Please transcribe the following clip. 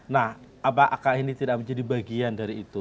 nah apakah ini tidak menjadi bagian dari itu